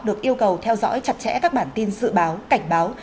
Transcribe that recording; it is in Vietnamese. được yêu cầu theo dõi chặt chẽ các bản tin dự báo cảnh báo